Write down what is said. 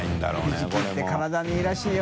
ひじきって体にいいらしいよ。